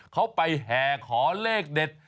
เขาไปแห่ขอเลขเด็ด